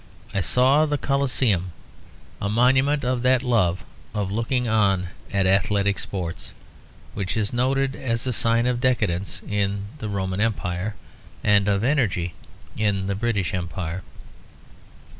I saw the Coliseum, a monument of that love of looking on at athletic sports, which is noted as a sign of decadence in the Roman Empire and of energy in the British Empire.